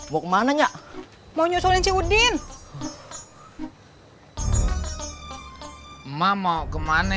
bagaimana bisa mene